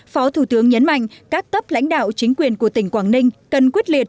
phó thủ tướng nhấn mạnh các cấp lãnh đạo chính quyền của tỉnh quảng ninh cần quyết liệt